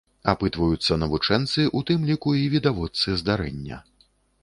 Апытваюцца навучэнцы, у тым ліку і відавочцы здарэння.